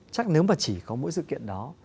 chắc nếu mà chỉ có mỗi sự kiện đó